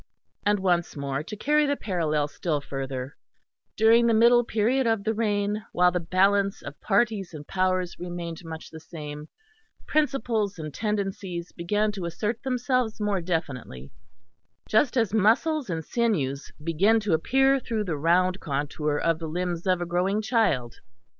And once more, to carry the parallel still further, during the middle period of the reign, while the balance of parties and powers remained much the same, principles and tendencies began to assert themselves more definitely, just as muscles and sinews begin to appear through the round contour of the limbs of a growing child.